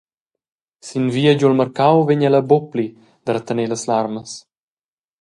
Sin via giu el marcau vegn ella buca pli da retener las larmas.